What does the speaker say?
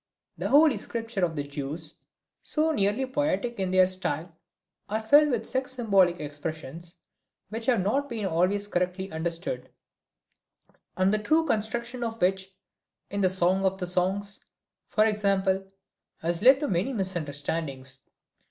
The Holy Scriptures of the Jews, so nearly poetic in their style, are filled with sex symbolic expressions which have not always been correctly understood, and the true construction of which, in the Song of Songs, for example, has led to many misunderstandings.